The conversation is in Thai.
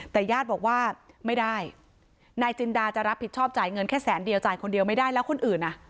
แต่ญาติบอกว่าไม่ได้นายจินดาจะรับผิดชอบจ่ายเงินแค่แสนเดียวจ่ายคนเดียวไม่ได้แล้วคนอื่นอ่ะ